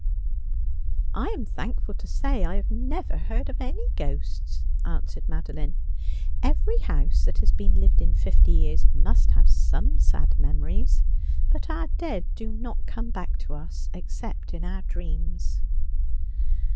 ' I am thankful to say I have never heard of any ghosts,' answered Madoline. ' Every house that has been lived in fifty years must have some sad memories ; but our dead do not come back to us, except in our dreams.'